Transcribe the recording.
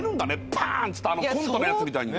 ぱーんっつってコントのやつみたいに。